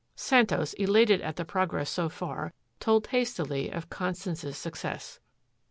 Santos, elated at the progress so far, told hastily of Constance's success.